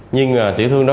nhưng tiểu thương đó